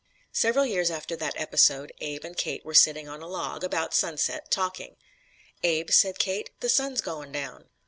Several years after that episode, Abe and Kate were sitting on a log, about sunset, talking: "Abe," said Kate, "the sun's goin' down."